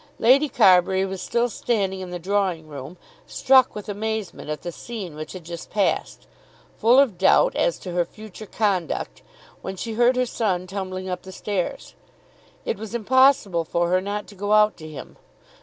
Lady Carbury was still standing in the drawing room, struck with amazement at the scene which had just passed, full of doubt as to her future conduct, when she heard her son stumbling up the stairs. It was impossible for her not to go out to him.